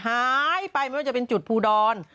หายไปไม่ว่าจะเป็นจุดภูดร